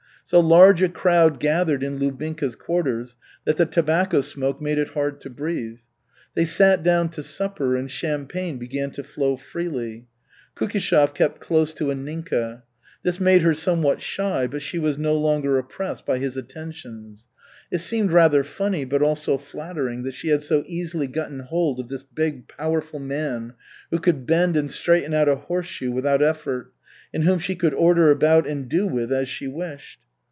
So large a crowd gathered in Lubinka's quarters that the tobacco smoke made it hard to breathe. They sat down to supper, and champagne began to flow freely. Kukishev kept close to Anninka. This made her somewhat shy, but she was no longer oppressed by his attentions. It seemed rather funny, but also flattering, that she had so easily gotten hold of this big, powerful man, who could bend and straighten out a horseshoe without effort, and whom she could order about and do with as she wished.